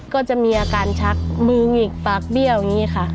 ก็จะมีอาการชักมือหงิกปากเบี้ยวอย่างนี้ค่ะ